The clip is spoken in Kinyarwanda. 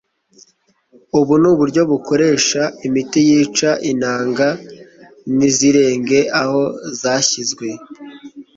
ubu ni uburyo bukoresha imiti yica intanga ntizirenge aho zashyizwe